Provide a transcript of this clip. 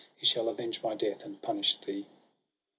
He shall avenge my death, and punish thee!'